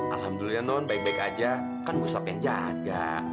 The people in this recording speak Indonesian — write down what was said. alhamdulillah non baik baik aja kan gustaf yang jaga